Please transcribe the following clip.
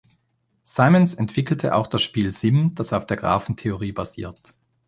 Simmons entwickelte auch das Spiel Sim, das auf der Graphentheorie basiert.